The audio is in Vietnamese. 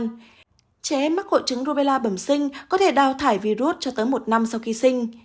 trẻ mắc hội chứng rubella bầm sinh có thể đào thải virus cho tới một năm sau khi sinh